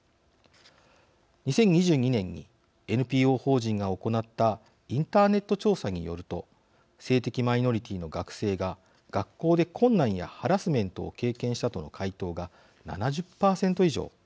２０２２年にＮＰＯ法人が行ったインターネット調査によると性的マイノリティーの学生が学校で困難やハラスメントを経験したとの回答が７０％以上。